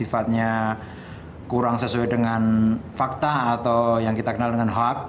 informasi yang sifatnya kurang sesuai dengan fakta atau yang kita kenal dengan hoax